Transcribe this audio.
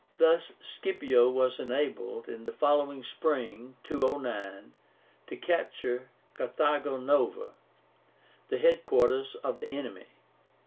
Thus Scipio was enabled, in the following spring (209), to capture Carthago Nova, the head quarters of the enemy.